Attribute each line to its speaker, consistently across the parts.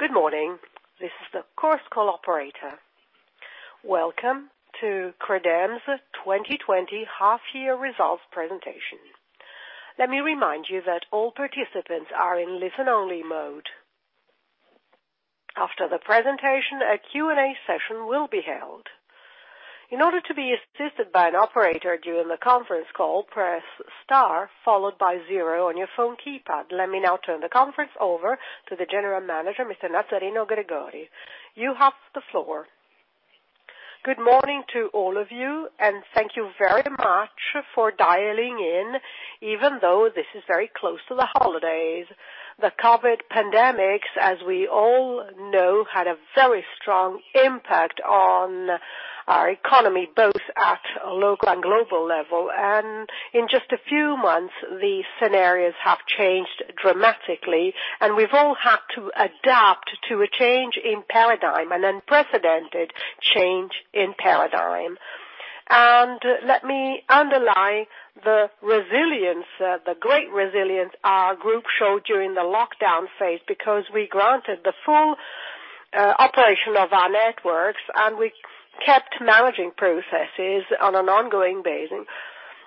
Speaker 1: Good morning? This is the Chorus Call operator. Welcome to Credem's 2020 half-year results presentation. Let me remind you that all participants are in listen-only mode. After the presentation, a Q&A session will be held. In order to be assisted by an operator during the conference call, press star followed by zero on your phone keypad. Let me now turn the conference over to the General Manager, Mr. Nazzareno Gregori. You have the floor.
Speaker 2: Good morning to all of you, and thank you very much for dialing in, even though this is very close to the holidays. The COVID pandemics, as we all know, had a very strong impact on our economy, both at a local and global level. In just a few months, the scenarios have changed dramatically, and we've all had to adapt to a change in paradigm, an unprecedented change in paradigm. Let me underline the great resilience our group showed during the lockdown phase, because we granted the full operation of our networks, and we kept managing processes on an ongoing basis,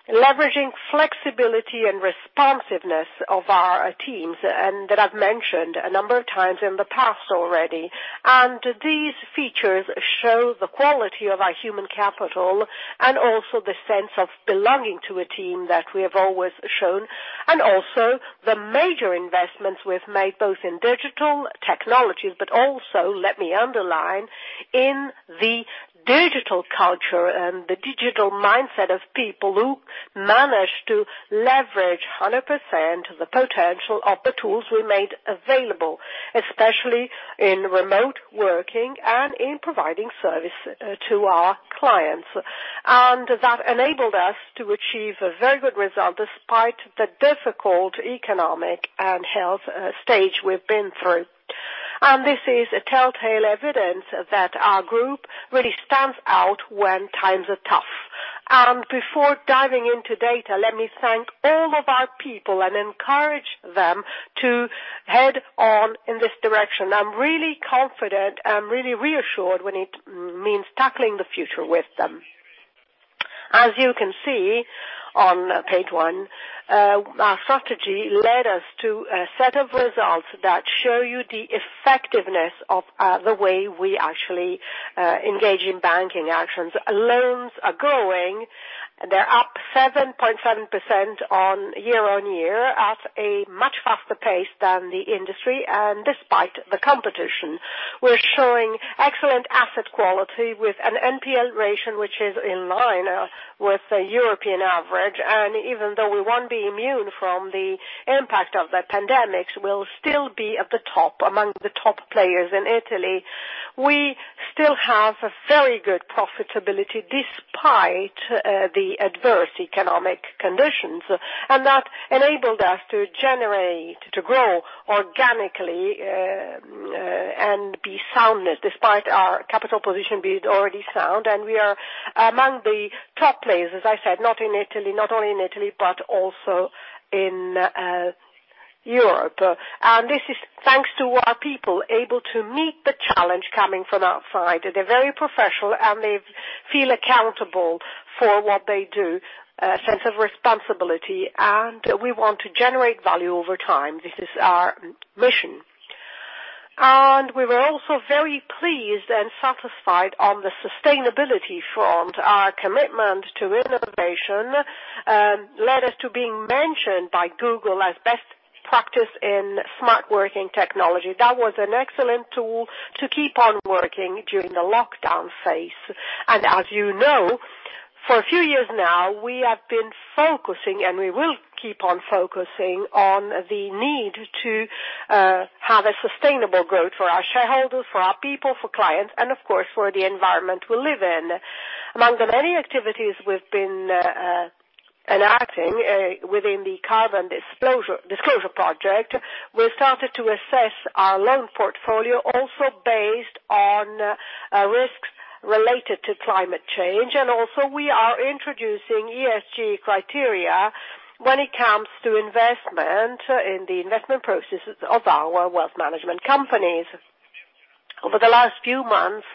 Speaker 2: leveraging flexibility and responsiveness of our teams, that I've mentioned a number of times in the past already. These features show the quality of our human capital and also the sense of belonging to a team that we have always shown, also the major investments we've made, both in digital technologies, but also, let me underline, in the digital culture and the digital mindset of people who managed to leverage 100% the potential of the tools we made available, especially in remote working and in providing service to our clients. That enabled us to achieve a very good result, despite the difficult economic and health stage we've been through. This is a telltale evidence that our group really stands out when times are tough. Before diving into data, let me thank all of our people and encourage them to head on in this direction. I'm really confident and really reassured when it means tackling the future with them. As you can see on page one, our strategy led us to a set of results that show you the effectiveness of the way we actually engage in banking actions. Loans are growing. They're up 7.7% year-on-year at a much faster pace than the industry. Despite the competition, we're showing excellent asset quality with an NPL ratio which is in line with the European average. Even though we won't be immune from the impact of the pandemic, we'll still be at the top, among the top players in Italy. We still have a very good profitability despite the adverse economic conditions, and that enabled us to grow organically, and be soundness despite our capital position being already sound. We are among the top players, as I said, not only in Italy, but also in Europe. This is thanks to our people able to meet the challenge coming from outside. They're very professional, and they feel accountable for what they do, a sense of responsibility. We want to generate value over time. This is our mission. We were also very pleased and satisfied on the sustainability front. Our commitment to innovation led us to being mentioned by Google as best practice in smart working technology. That was an excellent tool to keep on working during the lockdown phase. As you know, for a few years now, we have been focusing, and we will keep on focusing on the need to have a sustainable growth for our shareholders, for our people, for clients, and of course, for the environment we live in. Among the many activities we've been enacting within the Carbon Disclosure Project, we started to assess our loan portfolio, also based on risks related to climate change. Also we are introducing ESG criteria when it comes to investment in the investment processes of our wealth management companies. Over the last few months,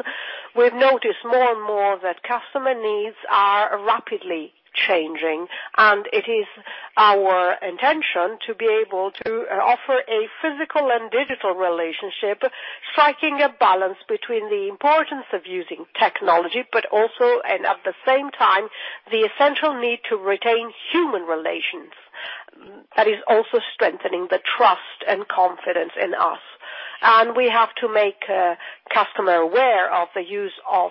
Speaker 2: we've noticed more and more that customer needs are rapidly changing, and it is our intention to be able to offer a physical and digital relationship, striking a balance between the importance of using technology, but also, and at the same time, the essential need to retain human relations. That is also strengthening the trust and confidence in us. We have to make customer aware of the use of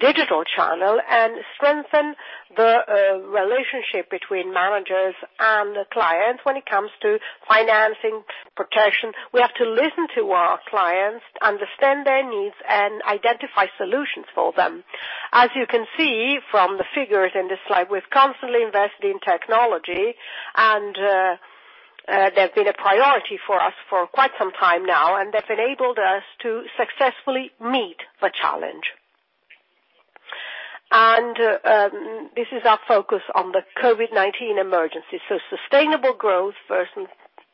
Speaker 2: digital channel and strengthen the relationship between managers and the client when it comes to financing protection. We have to listen to our clients, understand their needs, and identify solutions for them. As you can see from the figures in this slide, we've constantly invested in technology, and they've been a priority for us for quite some time now, and they've enabled us to successfully meet the challenge. This is our focus on the COVID-19 emergency. Sustainable growth first,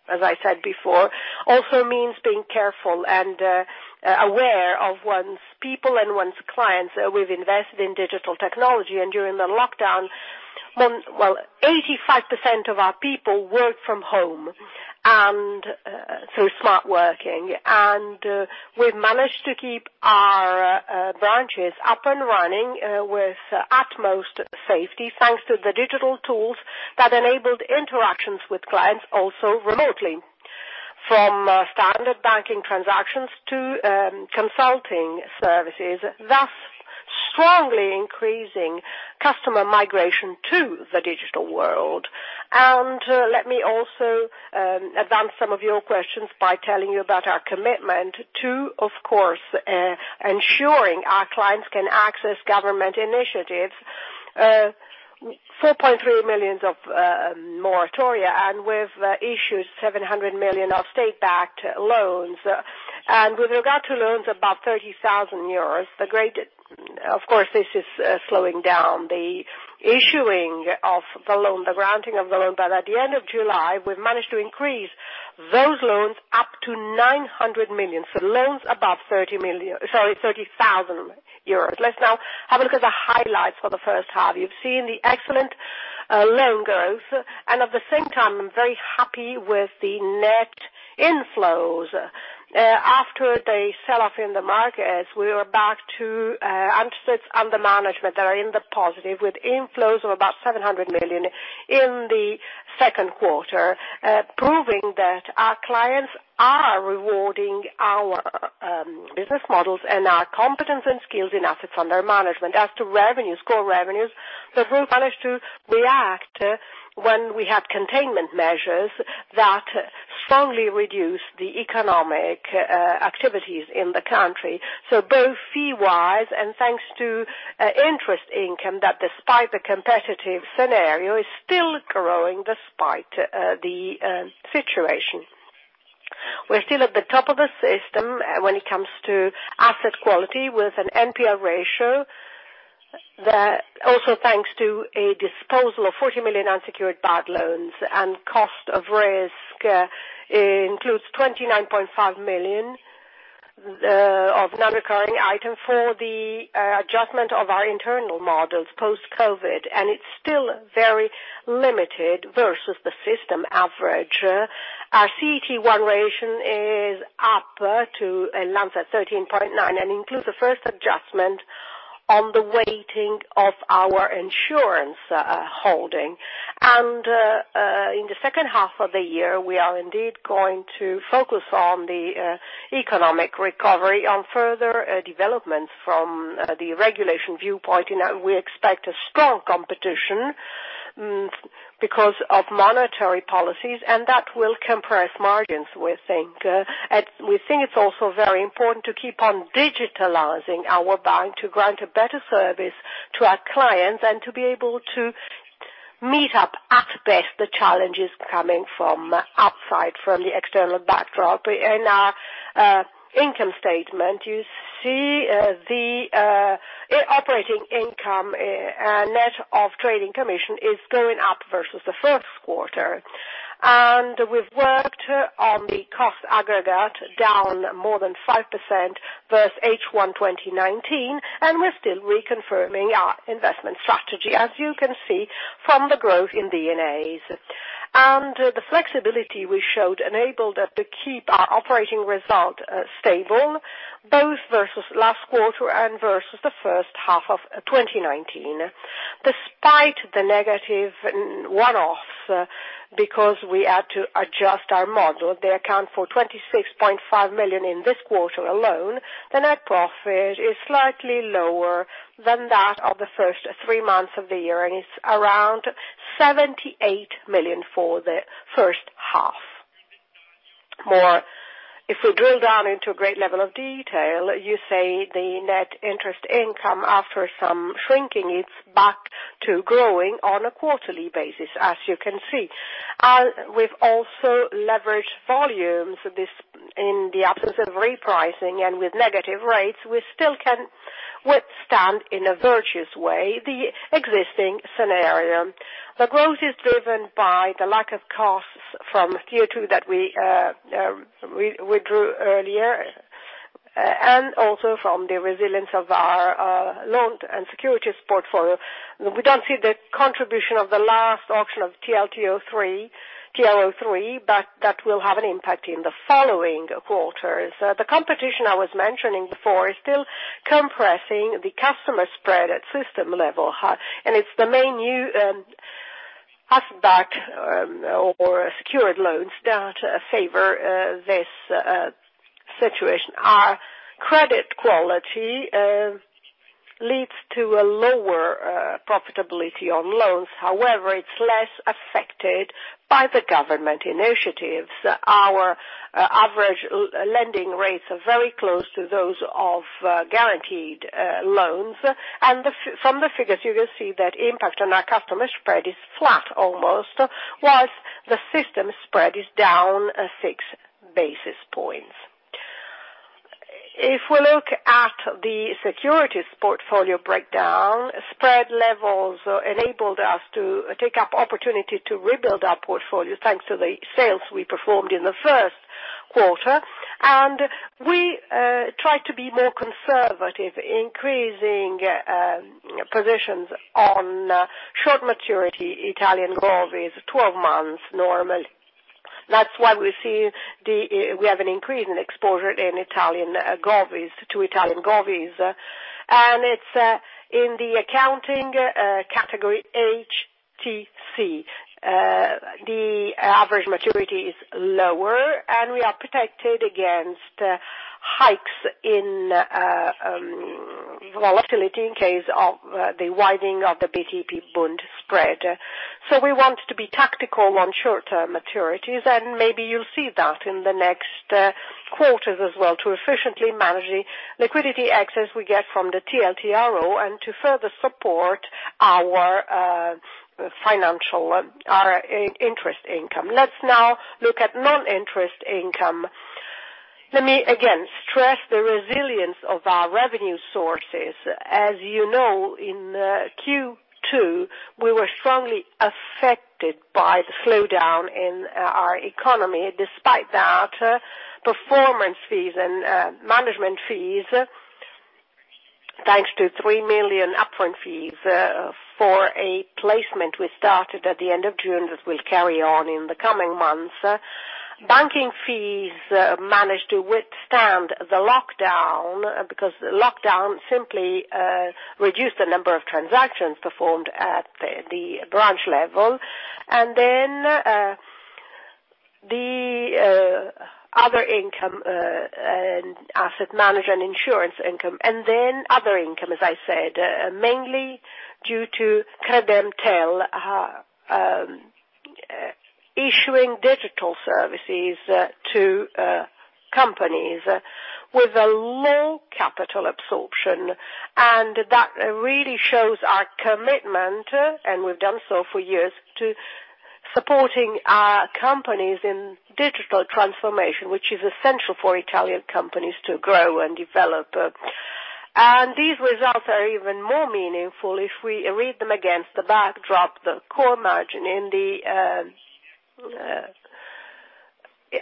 Speaker 2: as I said before, also means being careful and aware of one's people and one's clients. We've invested in digital technology, and during the lockdown, well, 85% of our people work from home through smart working. We've managed to keep our branches up and running with utmost safety thanks to the digital tools that enabled interactions with clients also remotely. From standard banking transactions to consulting services, thus strongly increasing customer migration to the digital world. Let me also advance some of your questions by telling you about our commitment to, of course, ensuring our clients can access government initiatives. 4.3 million of moratoria, we've issued 700 million of state-backed loans. With regard to loans above 30,000 euros, of course, this is slowing down the issuing of the loan, the granting of the loan. At the end of July, we've managed to increase those loans up to 900 million for loans above 30,000 euros. Let's now have a look at the highlights for the first half. You've seen the excellent loan growth, and at the same time, I'm very happy with the net inflows. After the sell-off in the markets, we are back to assets under management that are in the positive with inflows of about 700 million in the second quarter, proving that our clients are rewarding our business models and our competence and skills in assets under management. As to revenues, core revenues, that we've managed to react when we had containment measures that strongly reduce the economic activities in the country. Both fee-wise and thanks to interest income, that despite the competitive scenario, is still growing despite the situation. We're still at the top of the system when it comes to asset quality with an NPL ratio that also thanks to a disposal of 40 million unsecured bad loans and cost of risk, includes 29.5 million of non-recurring item for the adjustment of our internal models post-COVID, and it's still very limited versus the system average. Our CET1 ratio is up to a 13.9% and includes the first adjustment on the weighting of our insurance holding. In the second half of the year, we are indeed going to focus on the economic recovery and further development from the regulation viewpoint in that we expect a strong competition because of monetary policies, and that will compress margins, we think. We think it's also very important to keep on digitalizing our bank to grant a better service to our clients and to be able to meet up at best the challenges coming from outside, from the external backdrop. In our income statement, you see the operating income net of trading commission is going up versus the first quarter. We've worked on the cost aggregate down more than 5% versus H1 2019, and we're still reconfirming our investment strategy, as you can see from the growth in D&As. The flexibility we showed enabled us to keep our operating result stable, both versus last quarter and versus the first half of 2019. Despite the negative one-off, because we had to adjust our model, they account for 26.5 million in this quarter alone. The net profit is slightly lower than that of the first three months of the year, and it's around 78 million for the first half. If we drill down into a great level of detail, you say the net interest income, after some shrinking, it's back to growing on a quarterly basis, as you can see. We've also leveraged volumes in the absence of repricing and with negative rates, we still can withstand in a virtuous way the existing scenario. The growth is driven by the lack of costs from Q2 that we drew earlier, and also from the resilience of our loans and securities portfolio. We don't see the contribution of the last auction of TLTRO3, but that will have an impact in the following quarters. The competition I was mentioning before is still compressing the customer spread at system level, and it's the main new asset-backed or secured loans that favor this situation. Our credit quality leads to a lower profitability on loans. However, it's less affected by the Government initiatives. Our average lending rates are very close to those of guaranteed loans. From the figures, you can see that impact on our customer spread is flat almost, whilst the system spread is down six basis points. If we look at the securities portfolio breakdown, spread levels enabled us to take up opportunity to rebuild our portfolio thanks to the sales we performed in the first quarter. We try to be more conservative, increasing positions on short maturity Italian Govies, 12 months normally. That's why we see we have an increase in exposure to Italian Govies. It's in the accounting category HTC. The average maturity is lower. We are protected against hikes in volatility in case of the widening of the BTP-Bund spread. We want to be tactical on short-term maturities, and maybe you'll see that in the next quarters as well to efficiently manage the liquidity access we get from the TLTRO and to further support our interest income. Let's now look at non-interest income. Let me again stress the resilience of our revenue sources. As you know, in Q2, we were strongly affected by the slowdown in our economy. Despite that, performance fees and management fees, thanks to 3 million upfront fees for a placement we started at the end of June that will carry on in the coming months. Banking fees managed to withstand the lockdown, because the lockdown simply reduced the number of transactions performed at the branch level. Then the other income, asset management and insurance income, and then other income, as I said, mainly due to Credemtel issuing digital services to companies with a low capital absorption. That really shows our commitment, and we've done so for years, to supporting our companies in digital transformation, which is essential for Italian companies to grow and develop. These results are even more meaningful if we read them against the backdrop. The core margin in the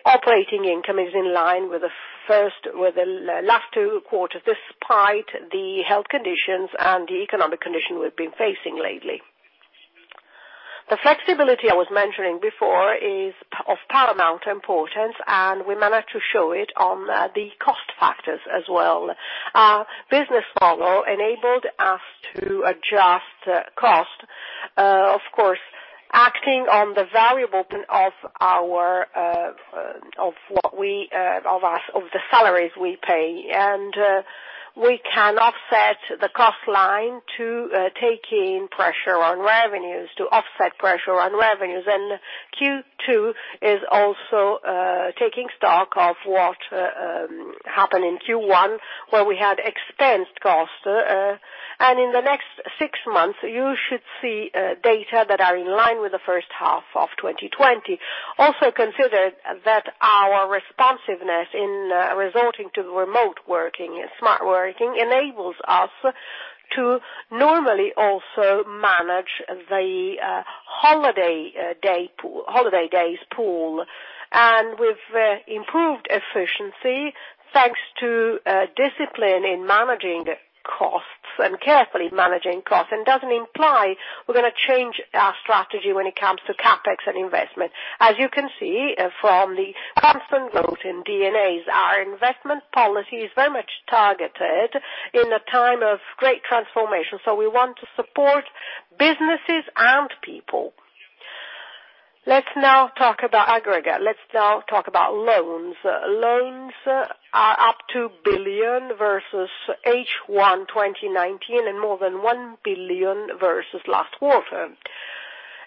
Speaker 2: operating income is in line with the last two quarters, despite the health conditions and the economic condition we've been facing lately. The flexibility I was mentioning before is of paramount importance, and we managed to show it on the cost factors as well. Our business model enabled us to adjust cost, of course, acting on the variable of the salaries we pay. We can offset the cost line to taking pressure on revenues, to offset pressure on revenues. Q2 is also taking stock of what happened in Q1, where we had expensed cost. In the next six months, you should see data that are in line with the first half of 2020. Also consider that our responsiveness in resorting to remote working and smart working enables us to normally also manage the holiday days pool. We've improved efficiency thanks to discipline in managing costs, and carefully managing costs. This doesn't imply we're going to change our strategy when it comes to CapEx and investment. As you can see from the constant growth in D&As, our investment policy is very much targeted in a time of great transformation. We want to support businesses and people. Let's now talk about aggregate. Let's now talk about loans. Loans are up 2 billion versus H1 2019, and more than 1 billion versus last quarter.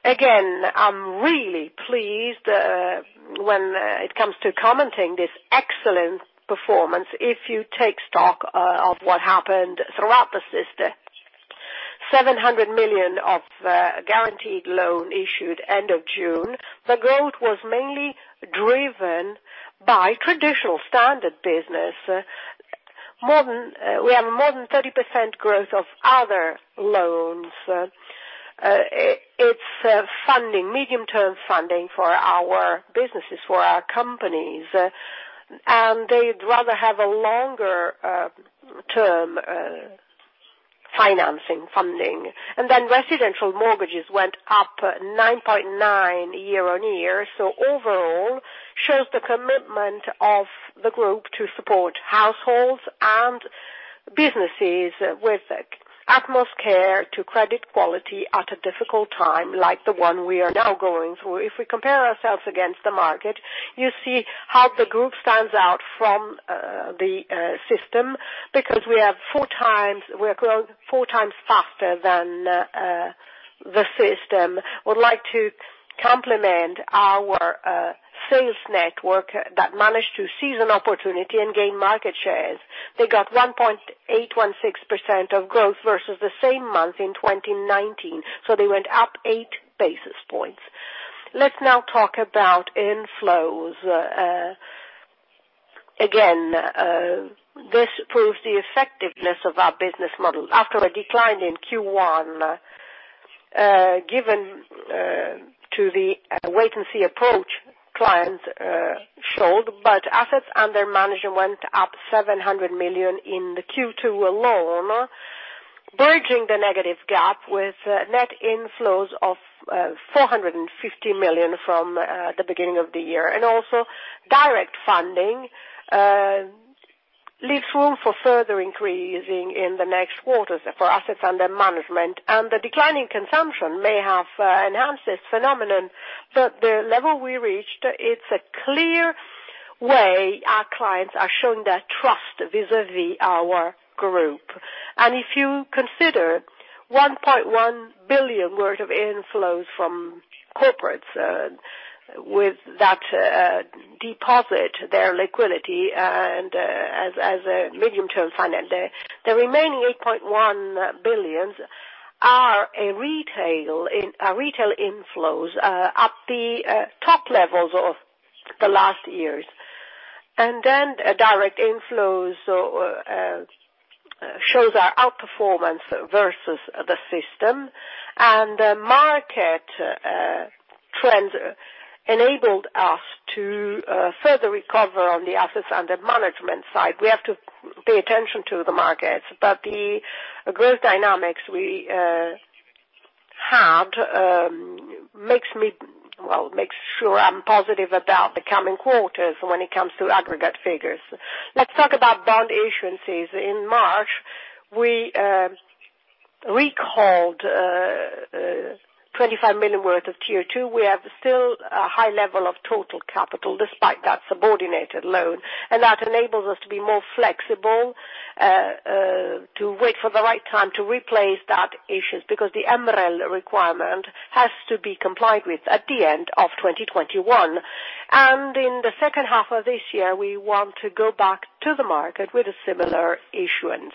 Speaker 2: Again, I'm really pleased when it comes to commenting this excellent performance, if you take stock of what happened throughout the system. 700 million of guaranteed loan issued end of June. The growth was mainly driven by traditional standard business. We have more than 30% growth of other loans. It's medium-term funding for our businesses, for our companies, and they'd rather have a longer term financing funding. Residential mortgages went up 9.9% year-on-year. Overall, shows the commitment of the group to support households and businesses with utmost care to credit quality at a difficult time like the one we are now going through. If we compare ourselves against the market, you see how the group stands out from the system, because we are growing 4x faster than the system. Would like to compliment our sales network that managed to seize an opportunity and gain market shares. They got 1.816% of growth versus the same month in 2019, they went up eight basis points. Let's now talk about inflows. Again, this proves the effectiveness of our business model. After a decline in Q1, given to the wait-and-see approach clients showed, assets under management went up 700 million in the Q2 alone, bridging the negative gap with net inflows of 450 million from the beginning of the year. Also direct funding leaves room for further increasing in the next quarters for assets under management. The decline in consumption may have enhanced this phenomenon, but the level we reached, it's a clear way our clients are showing their trust vis-à-vis our group. If you consider 1.1 billion worth of inflows from corporates with that deposit, their liquidity, and as a medium-term finance. The remaining [0.1 billion] are retail inflows, at the top levels of the last years. Direct inflows shows our outperformance versus the system, and market trends enabled us to further recover on the assets under management side. We have to pay attention to the markets. The growth dynamics we had makes sure I'm positive about the coming quarters when it comes to aggregate figures. Let's talk about bond issuances. In March, we recalled 25 million worth of T2. We have still a high level of total capital despite that subordinated loan, that enables us to be more flexible, to wait for the right time to replace that issuance because the MREL requirement has to be complied with at the end of 2021. In the second half of this year, we want to go back to the market with a similar issuance.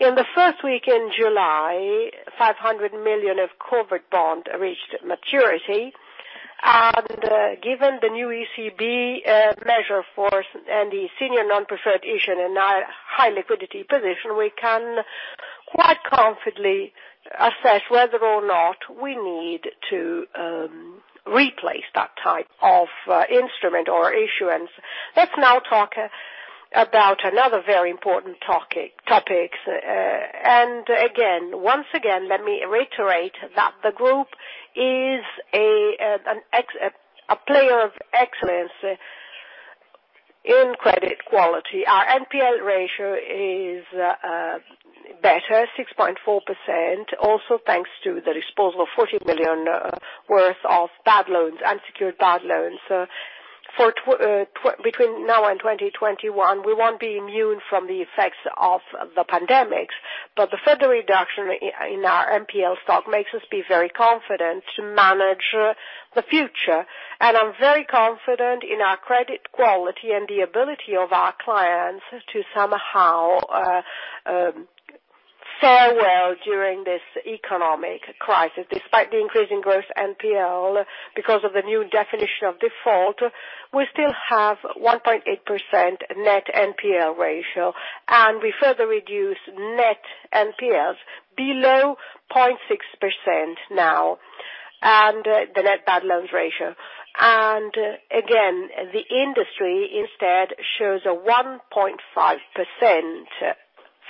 Speaker 2: In the first week in July, 500 million of covered bond reached maturity. Given the new ECB measure for us and the senior non-preferred issue and our high liquidity position, we can quite confidently assess whether or not we need to replace that type of instrument or issuance. Let's now talk about another very important topic. Once again, let me reiterate that the group is a player of excellence in credit quality. Our NPL ratio is better, 6.4%, also thanks to the disposal of [40 billion] worth of unsecured bad loans. Between now and 2021, we won't be immune from the effects of the pandemic, but the further reduction in our NPL stock makes us be very confident to manage the future. I'm very confident in our credit quality and the ability of our clients to somehow fare well during this economic crisis. Despite the increase in gross NPL because of the new definition of default, we still have 1.8% net NPL ratio, and we further reduce net NPLs below 0.6% now, the net bad loans ratio. Again, the industry instead shows a 1.5%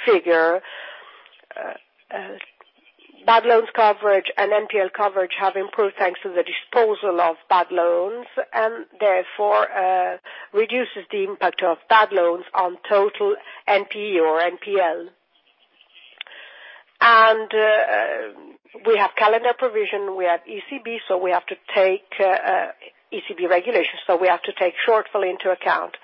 Speaker 2: figure. Bad loans coverage and NPL coverage have improved thanks to the disposal of bad loans, and therefore reduces the impact of bad loans on total NPE or NPL. We have calendar provisioning, we have ECB, we have to take ECB regulations, we have to take shortfall into account.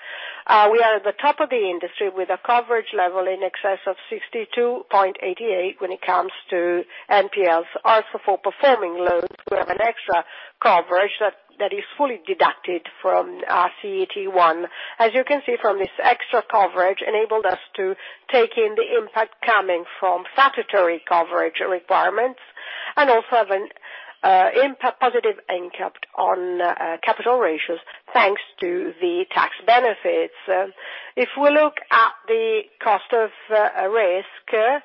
Speaker 2: We are at the top of the industry with a coverage level in excess of 62.88% when it comes to NPLs. Also, for performing loans, we have an extra coverage that is fully deducted from our CET1. As you can see from this extra coverage enabled us to take in the impact coming from statutory coverage requirements and also have a positive impact on capital ratios thanks to the tax benefits. If we look at the cost of risk,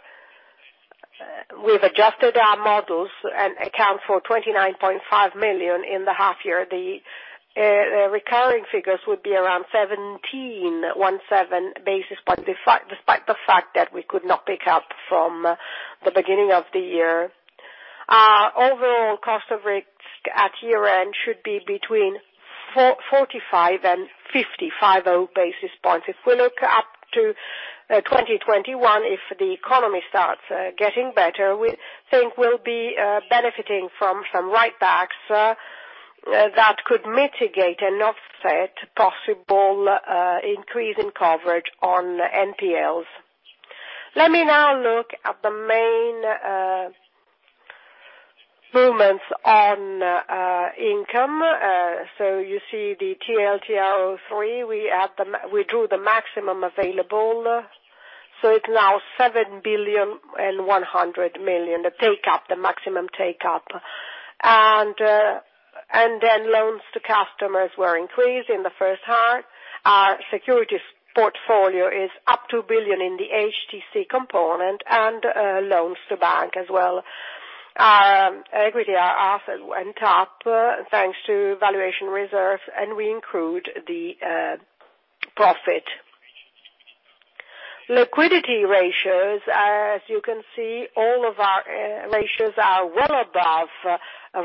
Speaker 2: we've adjusted our models and account for 29.5 million in the half year. The recurring figures would be around 17 basis point, despite the fact that we could not pick up from the beginning of the year. Our overall cost of risk at year-end should be between 45 basis points and 50 basis points. If we look up to 2021, if the economy starts getting better, we think we'll be benefiting from some write-backs that could mitigate and offset possible increase in coverage on NPLs. Let me now look at the main movements on income. You see the TLTRO3, we drew the maximum available. So it's now 7 billion and 100 million, the maximum take up. Loans to customers were increased in the first half. Our securities portfolio is up 2 billion in the HTC component, and loans to bank as well. Equity are also on top thanks to valuation reserve, and we include the profit. Liquidity ratios, as you can see, all of our ratios are well above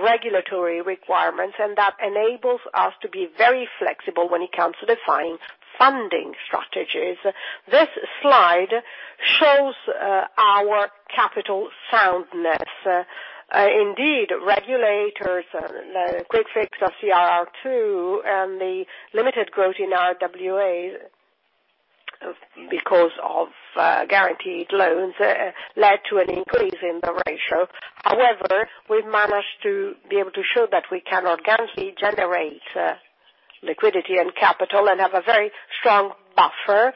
Speaker 2: regulatory requirements, and that enables us to be very flexible when it comes to defining funding strategies. This slide shows our capital soundness. Indeed, regulators, the quick fix of CRR2, and the limited growth in our RWA because of guaranteed loans, led to an increase in the ratio. However, we've managed to be able to show that we can organically generate liquidity and capital and have a very strong buffer,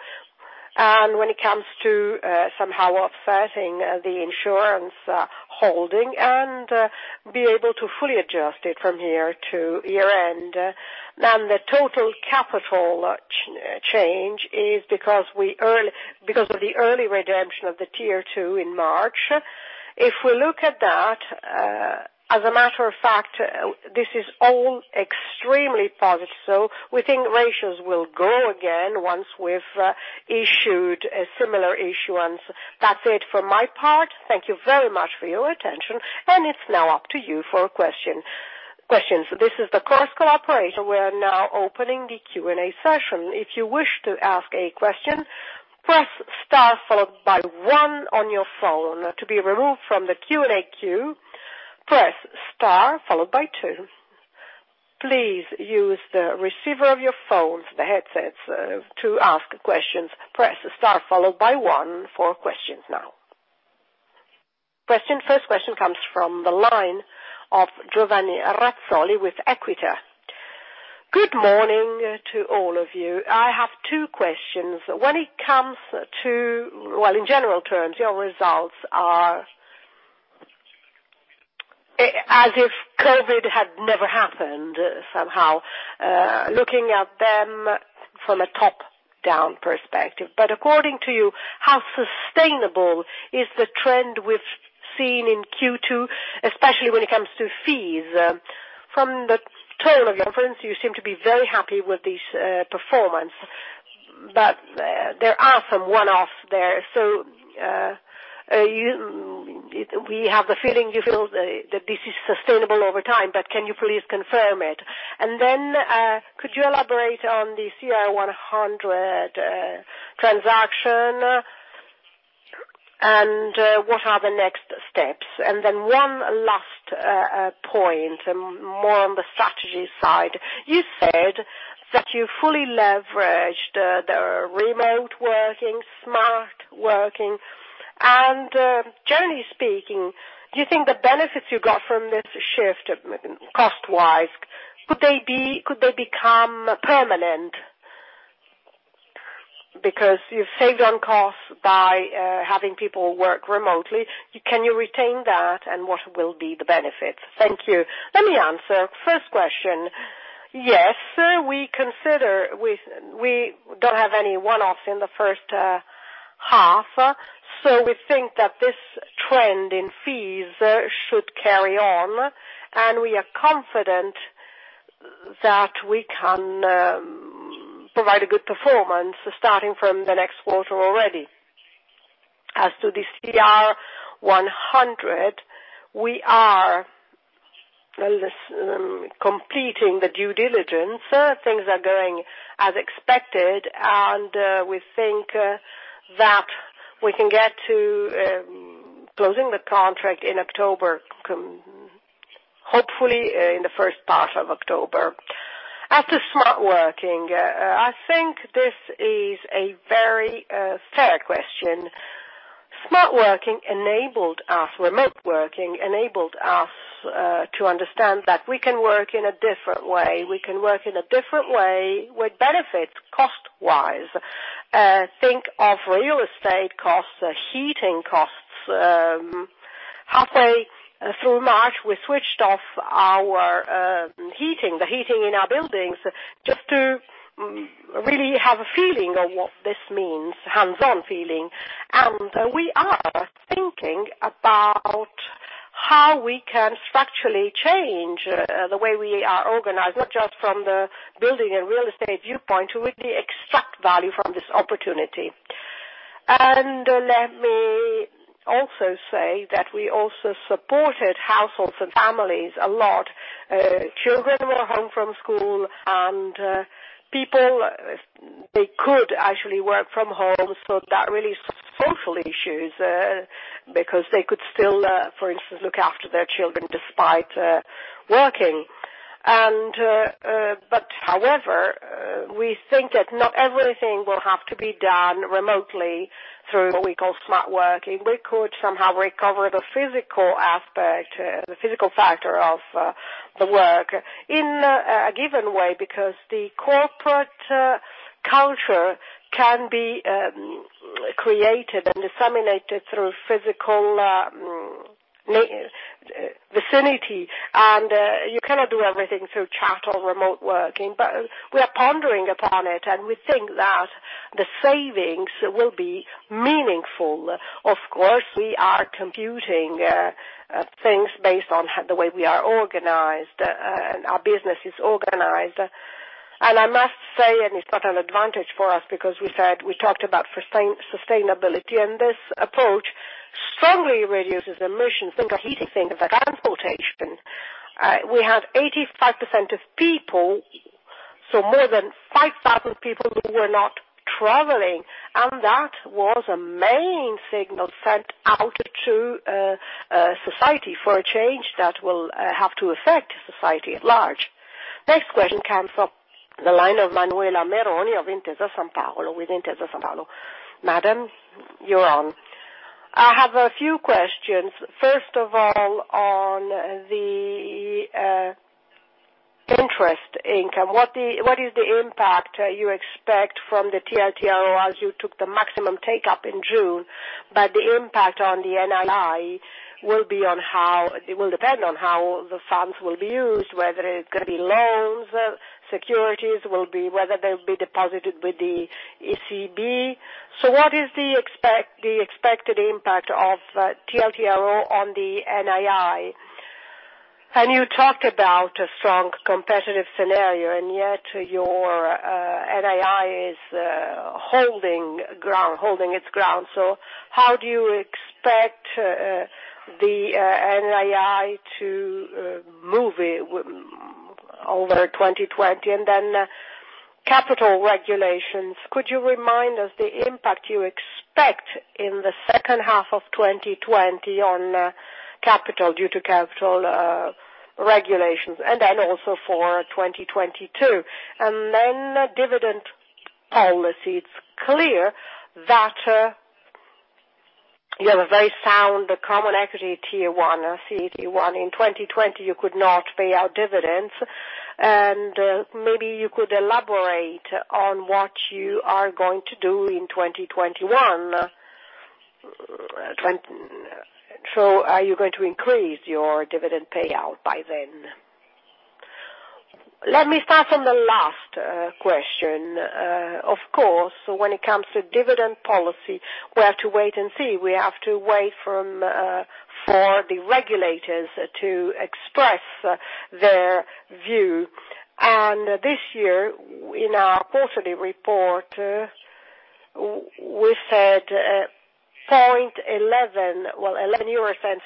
Speaker 2: and when it comes to somehow offsetting the insurance holding, and be able to fully adjust it from here to year-end. The total capital change is because of the early redemption of the Tier 2 in March. If we look at that, as a matter of fact, this is all extremely positive, so we think ratios will grow again once we've issued a similar issuance. That's it from my part. Thank you very much for your attention, and it's now up to you for questions.
Speaker 1: This is chorus call Operator, we are now opening Q&A session. If you wish to ask a question press star followed by one on your phone. To be removed from the Q&A queue press star followed by two. Please use receiver of your phone, the headset. To ask question press star followed by one. First question comes from the line of Giovanni Razzoli with EQUITA.
Speaker 3: Good morning to all of you? I have two questions. When it comes to, well, in general terms, your results are as if COVID had never happened somehow, looking at them from a top-down perspective. According to you, how sustainable is the trend we've seen in Q2, especially when it comes to fees? From the tone of your comments, you seem to be very happy with this performance, but there are some one-offs there. We have the feeling you feel that this is sustainable over time, but can you please confirm it? Could you elaborate on the CR100 transaction, and what are the next steps? One last point, more on the strategy side. You said that you fully leveraged the remote working, smart working, and generally speaking, do you think the benefits you got from this shift cost-wise, could they become permanent? Because you've saved on costs by having people work remotely. Can you retain that and what will be the benefits? Thank you.
Speaker 2: Let me answer first question. Yes, we don't have any one-offs in the first half. We think that this trend in fees should carry on, and we are confident that we can provide a good performance starting from the next quarter already. As to the CR100, we are completing the due diligence. Things are going as expected. We think that we can get to closing the contract in October, hopefully in the first part of October. As to smart working, I think this is a very fair question. Smart working enabled us, remote working enabled us to understand that we can work in a different way. We can work in a different way with benefit cost-wise. Think of real estate costs, heating costs. Halfway through March, we switched off the heating in our buildings just to really have a feeling of what this means, hands-on feeling. We are thinking about how we can structurally change the way we are organized, not just from the building and real estate viewpoint, to really extract value from this opportunity. Let me also say that we also supported households and families a lot. Children were home from school, and people, they could actually work from home, so that relieves social issues, because they could still, for instance, look after their children despite working. However, we think that not everything will have to be done remotely through what we call smart working. We could somehow recover the physical aspect, the physical factor of the work in a given way, because the corporate culture can be created and disseminated through physical vicinity. You cannot do everything through chat or remote working, but we are pondering upon it, and we think that the savings will be meaningful. Of course, we are computing things based on the way we are organized, and our business is organized. I must say, and it's not an advantage for us because we talked about sustainability, and this approach strongly reduces emissions. Think of heating, think of the transportation. We had 85% of people, so more than 5,000 people who were not traveling, and that was a main signal sent out to society for a change that will have to affect society at large.
Speaker 1: Next question comes from the line of Manuela Meroni of Intesa Sanpaolo with Intesa Sanpaolo. Madam, you're on.
Speaker 4: I have a few questions. First of all, on the interest income, what is the impact you expect from the TLTRO as you took the maximum take up in June, but the impact on the NII will depend on how the funds will be used, whether it's going to be loans, securities, whether they'll be deposited with the ECB. What is the expected impact of TLTRO on the NII? You talked about a strong competitive scenario, and yet your NII is holding its ground. How do you expect the NII to move over 2020? Capital regulations, could you remind us the impact you expect in the second half of 2020 on capital due to capital regulations, and then also for 2022? Dividend policy. It's clear that you have a very sound common equity Tier 1, CET1. In 2020, you could not pay out dividends. Maybe you could elaborate on what you are going to do in 2021. Are you going to increase your dividend payout by then?
Speaker 2: Let me start on the last question. Of course, when it comes to dividend policy, we have to wait and see. We have to wait for the regulators to express their view. This year, in our quarterly report, we said 0.11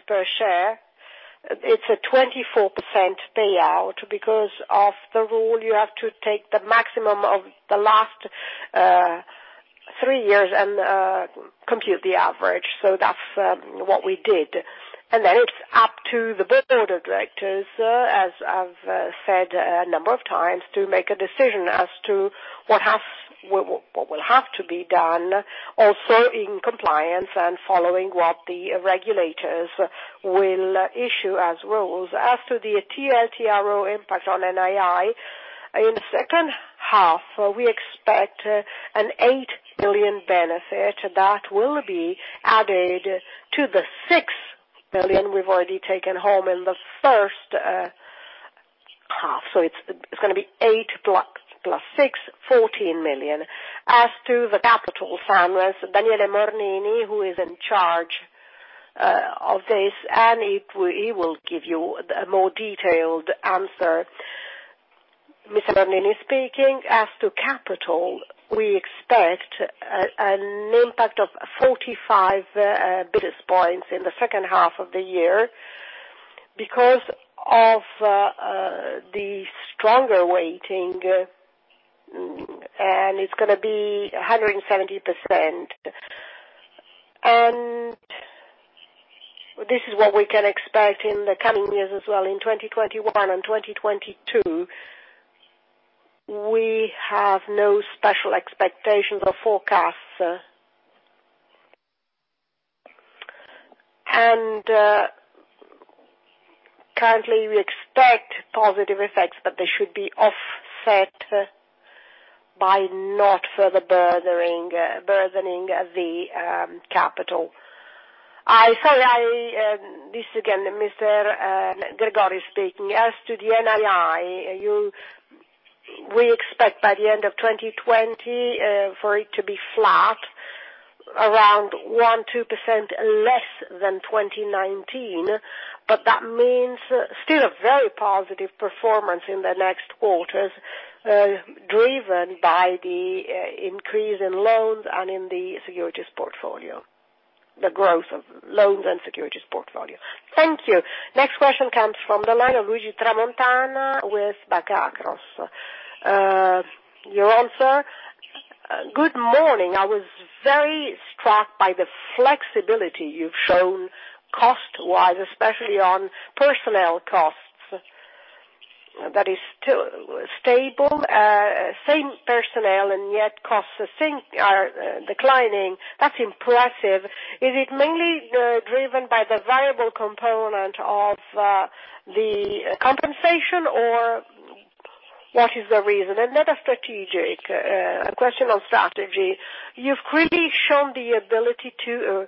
Speaker 2: per share. It's a 24% payout. Because of the rule, you have to take the maximum of the last three years and compute the average. That's what we did. Then it's up to the Board of Directors, as I've said a number of times, to make a decision as to what will have to be done also in compliance and following what the regulators will issue as rules. As to the TLTRO impact on NII, in the second half, we expect an [8 million] benefit that will be added to the [6 million] we've already taken home in the first half. It's going to be [8 million] + [6 million], 14 million. As to the capital fund, Daniele Morlini, who is in charge of this, he will give you a more detailed answer.
Speaker 5: Mr. Morlini speaking. As to capital, we expect an impact of 45 basis points in the second half of the year because of the stronger weighting, and it's going to be 170%. This is what we can expect in the coming years as well. In 2021 and 2022, we have no special expectations or forecasts. Currently, we expect positive effects, but they should be offset by not further burdening the capital.
Speaker 2: This is again Mr. Gregori speaking. As to the NII, we expect by the end of 2020 for it to be flat, around 1%, 2% less than 2019. That means still a very positive performance in the next quarters, driven by the increase in loans and in the securities portfolio, the growth of loans and securities portfolio. Thank you.
Speaker 1: Next question comes from the line of Luigi Tramontana with Banca Akros. You're on, sir.
Speaker 6: Good morning? I was very struck by the flexibility you've shown cost-wise, especially on personnel costs. That is still stable, same personnel, and yet costs are declining. That's impressive. Is it mainly driven by the variable component of the compensation or? What is the reason? Not a question of strategy. You've really shown the ability to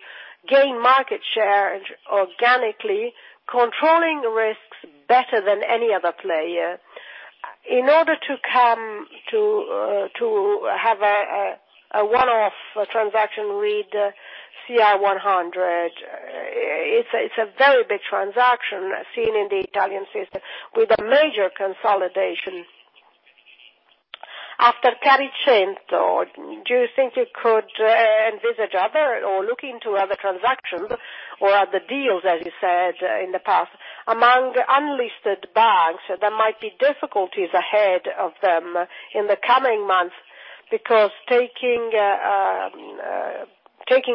Speaker 6: gain market share organically, controlling risks better than any other player. In order to have a one-off transaction with CR100, it's a very big transaction seen in the Italian system with a major consolidation. After Caricento, do you think you could envisage other or look into other transactions or other deals, as you said in the past, among unlisted banks? There might be difficulties ahead of them in the coming months because taking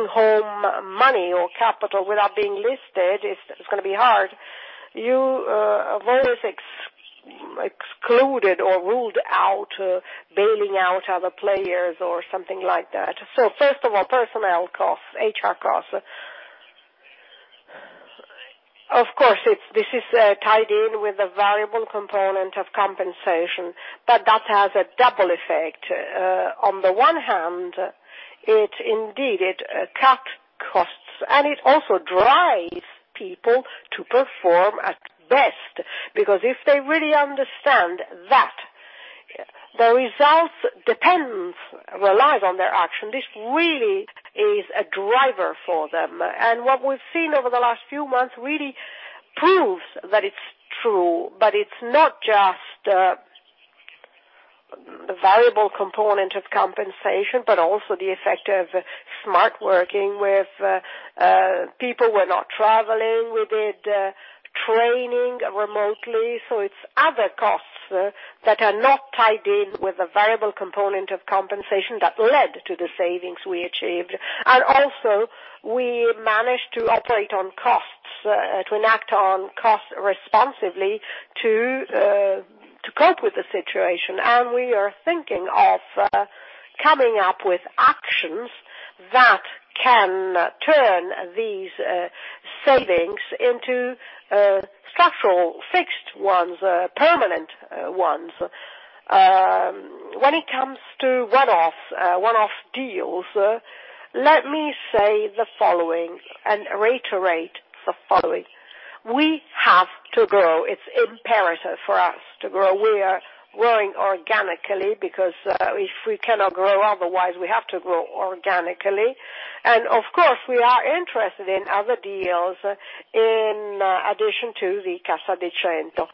Speaker 6: home money or capital without being listed is going to be hard. You have always excluded or ruled out bailing out other players or something like that.
Speaker 2: First of all, personnel costs, HR costs. Of course, this is tied in with a variable component of compensation, but that has a double effect. On the one hand, it indeed cut costs, and it also drives people to perform at best because if they really understand that the results relies on their action, this really is a driver for them. What we've seen over the last few months really proves that it's true, but it's not just the variable component of compensation, but also the effect of smart working with people were not traveling, we did training remotely. It's other costs that are not tied in with a variable component of compensation that led to the savings we achieved. Also, we managed to operate on costs, to enact on costs responsively to cope with the situation. We are thinking of coming up with actions that can turn these savings into structural, fixed ones, permanent ones. When it comes to one-off deals, let me say the following and reiterate the following. We have to grow. It's imperative for us to grow. We are growing organically because if we cannot grow otherwise, we have to grow organically. Of course, we are interested in other deals in addition to the Cassa di Cento.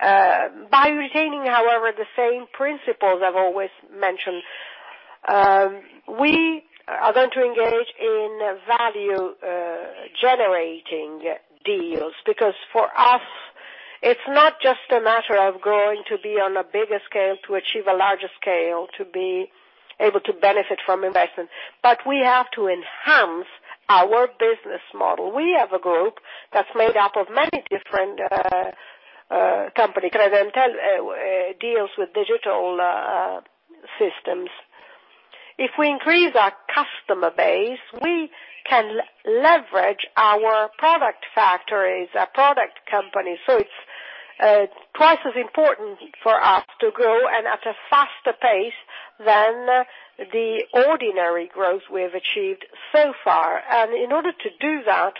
Speaker 2: By retaining, however, the same principles I've always mentioned, we are going to engage in value-generating deals because, for us, it's not just a matter of growing to be on a bigger scale, to achieve a larger scale, to be able to benefit from investment, but we have to enhance our business model. We have a group that's made up of many different companies. Credem deals with digital systems. If we increase our customer base, we can leverage our product factories, our product companies. It's twice as important for us to grow and at a faster pace than the ordinary growth we have achieved so far. In order to do that,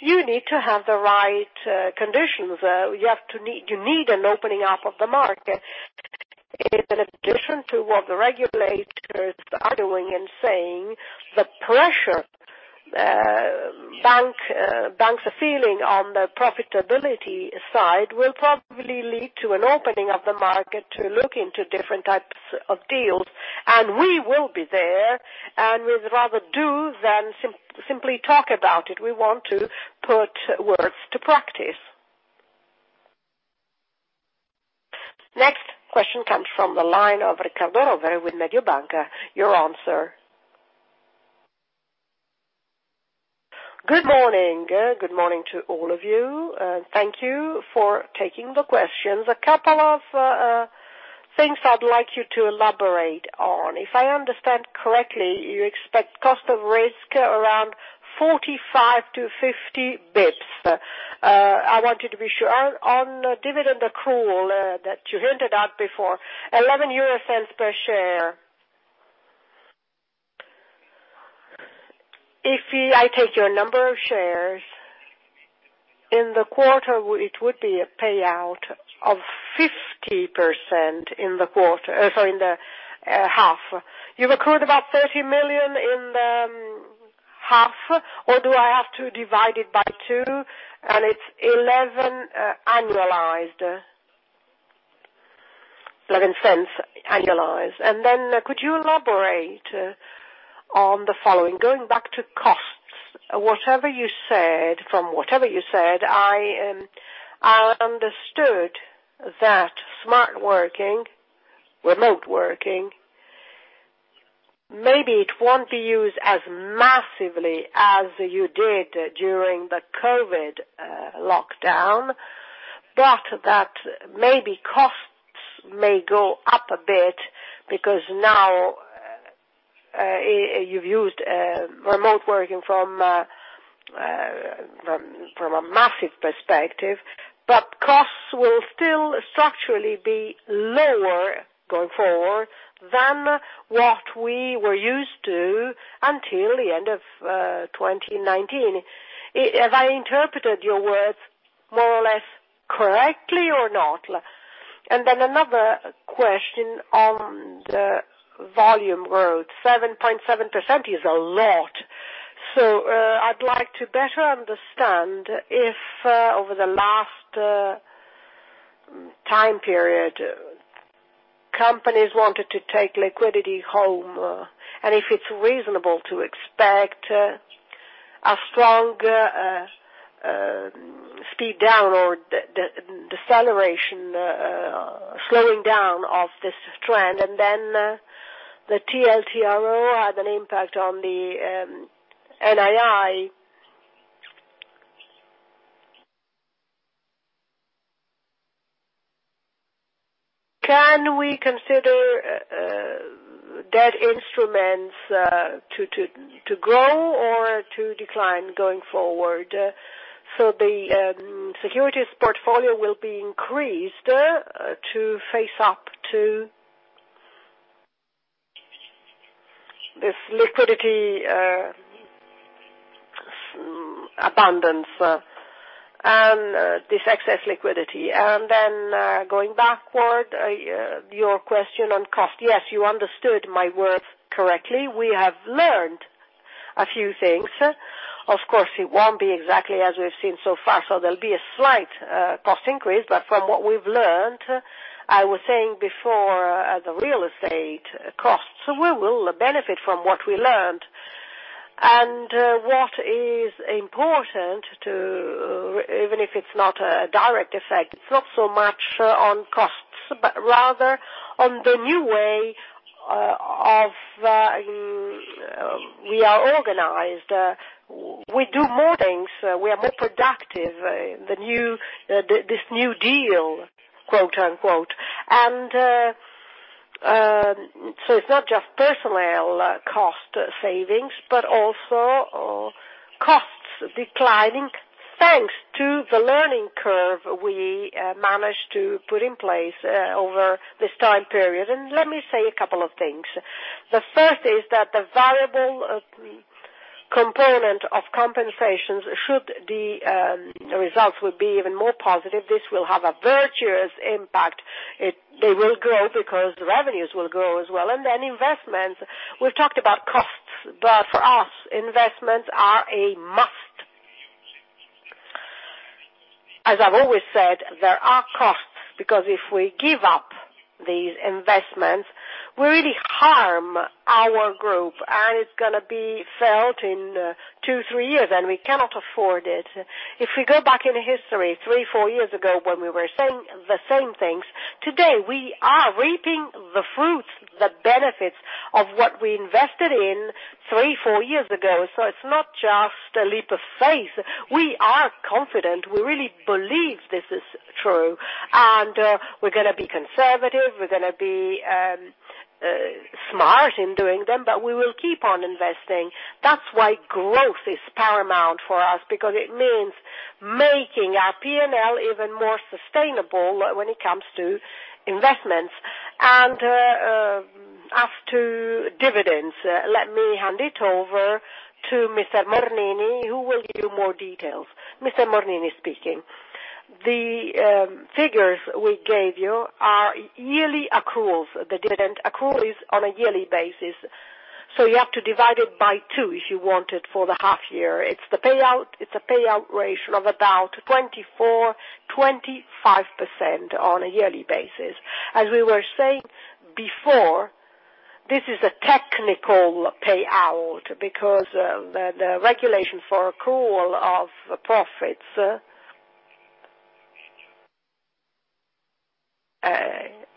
Speaker 2: you need to have the right conditions. You need an opening up of the market. In addition to what the regulators are doing and saying, the pressure banks are feeling on the profitability side will probably lead to an opening of the market to look into different types of deals, and we will be there, and we'd rather do than simply talk about it. We want to put words to practice.
Speaker 1: Next question comes from the line of Riccardo Rovere with Mediobanca. You are on sir..
Speaker 7: Good morning, gGood morning to all of you? Thank you for taking the questions. A couple of things I'd like you to elaborate on. If I understand correctly, you expect cost of risk around 45 basis points to 50 basis points. I want you to be sure. On dividend accrual that you hinted at before, 0.11 per share. If I take your number of shares, in the quarter, it would be a payout of 50% in the half. You accrued about 30 million in the half, or do I have to divide it by two, and it's 0.11 annualized? Could you elaborate on the following? Going back to costs, from whatever you said, I understood that smart working, remote working, maybe it won't be used as massively as you did during the COVID-19 lockdown, but that maybe costs may go up a bit because now you've used remote working from a massive perspective, but costs will still structurally be lower going forward than what we were used to until the end of 2019. Have I interpreted your words more or less correctly or not? Another question on the volume growth, 7.7% is a lot. I'd like to better understand if over the last time period, companies wanted to take liquidity home, and if it's reasonable to expect a strong speed down, or deceleration, slowing down of this trend, and then the TLTRO had an impact on the NII. Can we consider debt instruments to grow or to decline going forward, the securities portfolio will be increased to face up to this liquidity abundance, and this excess liquidity?
Speaker 2: Going backward, your question on cost. Yes, you understood my words correctly. We have learned a few things. Of course, it won't be exactly as we've seen so far. There'll be a slight cost increase. From what we've learned, I was saying before, the real estate costs. We will benefit from what we learned. What is important, even if it's not a direct effect, it's not so much on costs, but rather on the new way we are organized. We do more things, we are more productive, this new deal, quote, unquote. It's not just personnel cost savings, but also costs declining. Thanks to the learning curve we managed to put in place over this time period. Let me say a couple of things. The first is that the variable component of compensations, should the results will be even more positive, this will have a virtuous impact. They will grow because the revenues will grow as well. Investments. We've talked about costs, but for us, investments are a must. As I've always said, there are costs, because if we give up these investments, we really harm our group. It's going to be felt in two, three years, and we cannot afford it. If we go back in history, three, four years ago, when we were saying the same things, today we are reaping the fruits, the benefits of what we invested in three, four years ago. It's not just a leap of faith. We are confident. We really believe this is true. We're going to be conservative, we're going to be smart in doing them, but we will keep on investing. That's why growth is paramount for us, because it means making our P&L even more sustainable when it comes to investments. As to dividends, let me hand it over to Mr. Morlini, who will give you more details.
Speaker 5: Mr. Morlini speaking. The figures we gave you are yearly accruals. The dividend accrual is on a yearly basis, you have to divide it by two if you want it for the half year. It's a payout ratio of about 24%, 25% on a yearly basis. As we were saying before, this is a technical payout because the regulation for accrual of profits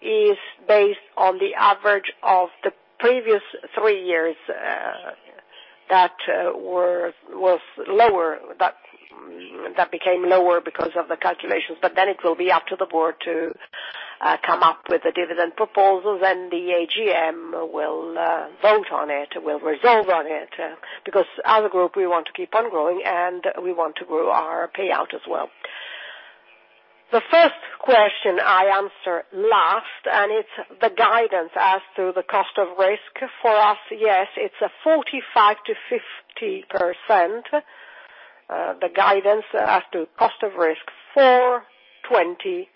Speaker 5: is based on the average of the previous three years that became lower because of the calculations. It will be up to the board to come up with the dividend proposals, the AGM will vote on it, will resolve on it, because as a group, we want to keep on growing, we want to grow our payout as well. The first question I answer last, it's the guidance as to the cost of risk. For us, yes, it's a 45%-50%, the guidance as to cost of risk for 2020.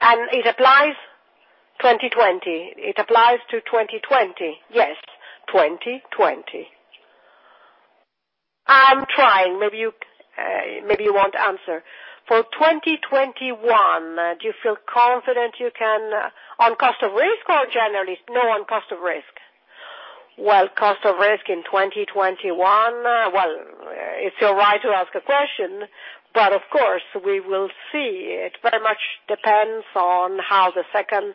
Speaker 7: It applies 2020?
Speaker 5: It applies to 2020. Yes, 2020.
Speaker 7: I'm trying, maybe you won't answer. For 2021, do you feel confident on cost of risk or generally?
Speaker 5: No, on cost of risk. Well, cost of risk in 2021. Well, it's your right to ask a question, of course, we will see. It very much depends on how the second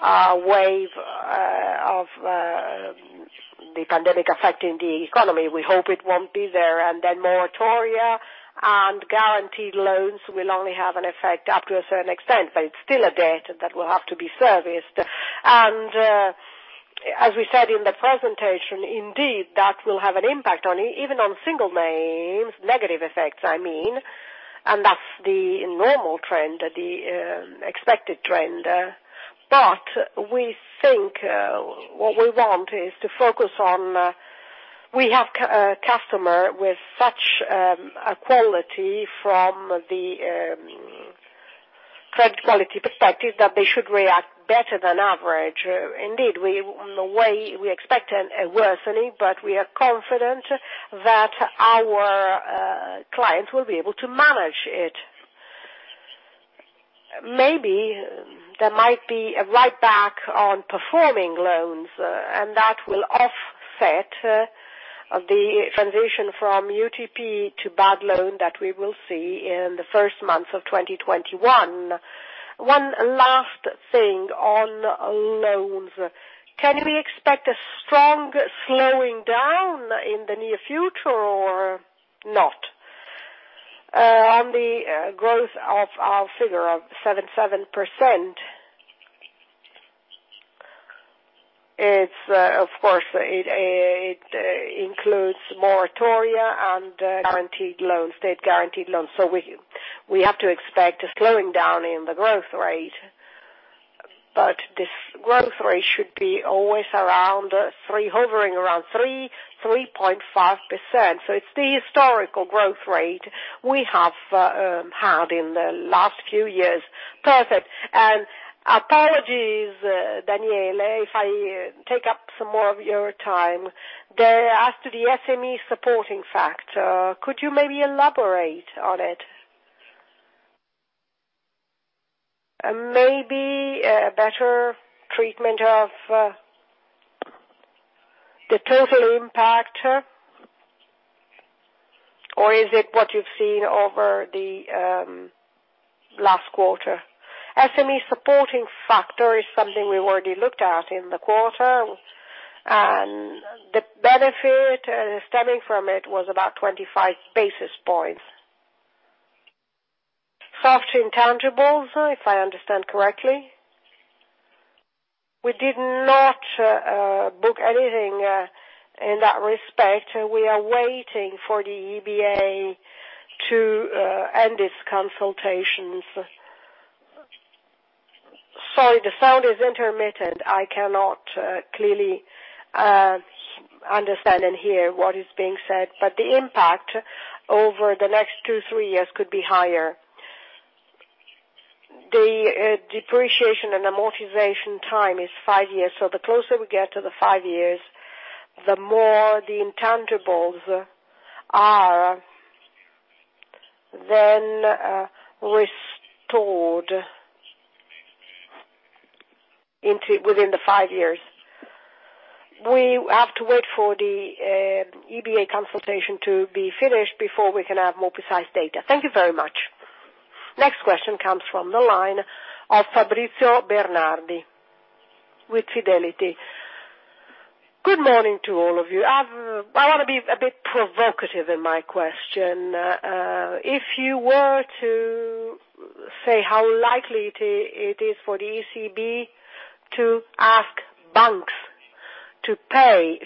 Speaker 5: wave of the pandemic affecting the economy. We hope it won't be there, moratoria and guaranteed loans will only have an effect up to a certain extent, it's still a debt that will have to be serviced. As we said in the presentation, indeed, that will have an impact, even on single names, negative effects, I mean, that's the normal trend, the expected trend. We think what we want is to focus on, we have a customer with such a quality from the credit quality perspective, that they should react better than average. Indeed, we expect a worsening, but we are confident that our clients will be able to manage it. Maybe there might be a write-back on performing loans, and that will offset the transition from UTP to bad loan that we will see in the first months of 2021.
Speaker 7: One last thing on loans. Can we expect a strong slowing down in the near future or not?
Speaker 5: On the growth of our figure of 7.70%, of course, it includes moratoria and state guaranteed loans. We have to expect a slowing down in the growth rate. This growth rate should be always hovering around 3%-3.5%. It's the historical growth rate we have had in the last few years.
Speaker 7: Perfect. Apologies, Daniele Morlini, if I take up some more of your time. As to the SME Supporting Factor, could you maybe elaborate on it? Maybe a better treatment of the total impact? Or is it what you've seen over the last quarter?
Speaker 5: SME Supporting Factor is something we already looked at in the quarter, and the benefit stemming from it was about 25 basis points.
Speaker 7: Software intangibles, if I understand correctly?
Speaker 5: We did not book anything in that respect. We are waiting for the EBA to end its consultations. Sorry, the sound is intermittent. I cannot clearly understand and hear what is being said. The impact over the next two, three years could be higher. The depreciation and amortization time is five years. The closer we get to the five years, the more the intangibles are then restored within the five years. We have to wait for the EBA consultation to be finished before we can have more precise data.
Speaker 7: Thank you very much.
Speaker 1: Next question comes from the line of [Fabrizio Bernardi with Fidelity]
Speaker 8: Good morning to all of you? I want to be a bit provocative in my question. If you were to say how likely it is for the ECB to allow banks to pay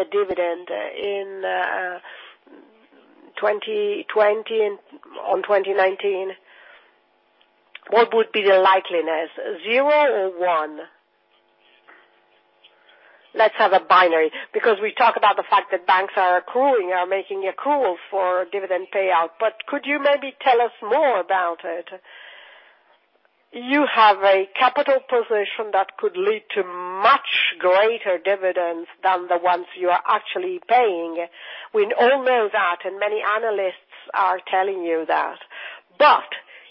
Speaker 8: a dividend in 2020 and on 2019, what would be the likeliness? Zero or one? Let's have a binary, because we talk about the fact that banks are accruing, are making accrual for dividend payout. Could you maybe tell us more about it? You have a capital position that could lead to much greater dividends than the ones you are actually paying. We all know that, and many analysts are telling you that.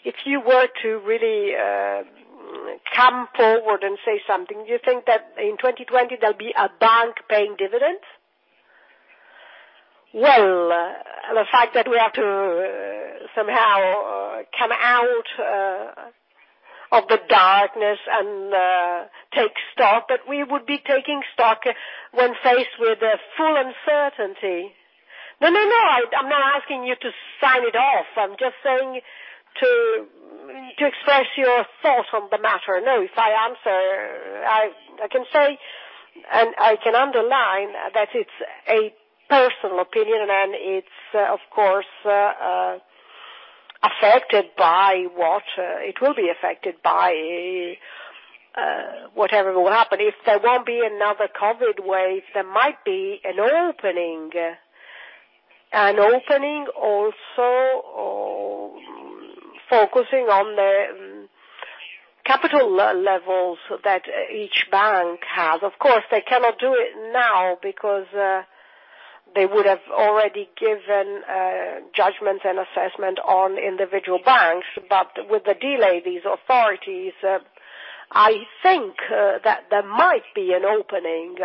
Speaker 8: If you were to really come forward and say something, do you think that in 2020 there'll be a bank paying dividends?
Speaker 2: The fact that we have to somehow come out of the darkness and take stock, but we would be taking stock when faced with full uncertainty.
Speaker 8: I'm not asking you to sign it off. I'm just saying to express your thoughts on the matter.
Speaker 2: If I answer, I can say, and I can underline that it's a personal opinion, and it will be affected by whatever will happen. If there won't be another COVID wave, there might be an opening. An opening also focusing on the capital levels that each bank has. Of course, they cannot do it now because they would have already given judgment and assessment on individual banks. With the delay, these authorities, I think that there might be an opening.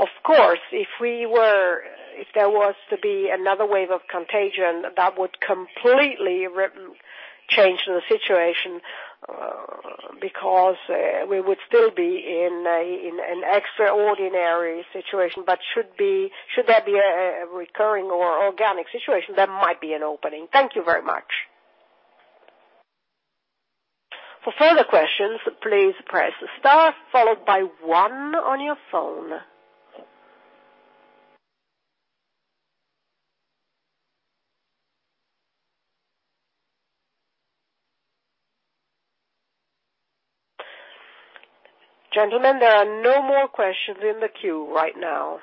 Speaker 2: Of course, if there was to be another wave of contagion, that would completely change the situation because we would still be in an extraordinary situation. Should that be a recurring or organic situation, there might be an opening.
Speaker 8: Thank you very much.
Speaker 1: For further questons please press star followed by one on your phone. Gentlemen there are no more questions in the queue right now.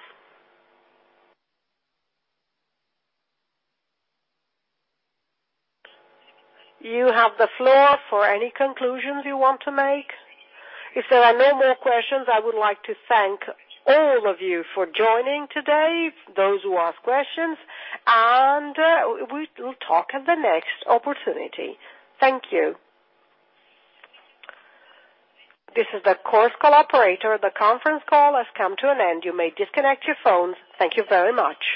Speaker 1: Do you have any comments you want to make?
Speaker 2: If there are no more questions, I would like to thank all of you for joining today, those who asked questions, and we will talk at the next opportunity. Thank you.
Speaker 1: This is the operator, the call has come to an end, you may disconnect your phones. Thank you very much.